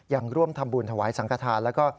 ยังร่วมทำบุญถวายสังขทานแล้วก็